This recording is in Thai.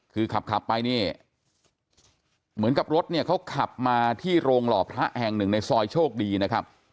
คือขับไปเนี่ยเหมือนกับรถเนี่ยเขาขับมาที่โรงหล่อพระแห่งหนึ่งในซอยโชคดีนะครับ